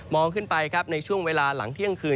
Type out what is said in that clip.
ขึ้นไปครับในช่วงเวลาหลังเที่ยงคืน